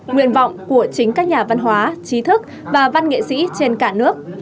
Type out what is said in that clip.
nguyện vọng của chính các nhà văn hóa trí thức và văn nghệ sĩ trên cả nước